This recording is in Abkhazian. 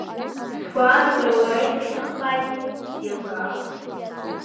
Сгәаанагара уара изуҭаххазеи, исзеилкаауам…